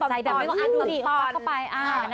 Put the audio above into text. ใส่แบบไม่งบเลย